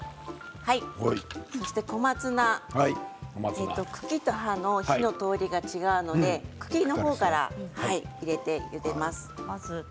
そして小松菜茎と葉の火の通りが違うので、茎の方から入れてゆでます。